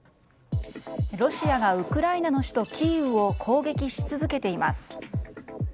ロシアがウクライナの首都キーウを攻撃し続けています。